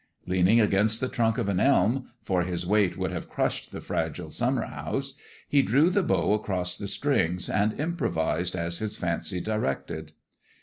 Leaning against the trunk of an elm — for his weight would have crushed the fragile summer house — he drew the bow across the strings, and improvised as his fancy directed.